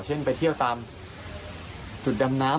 เช่นไปเที่ยวตามจุดดำน้ำ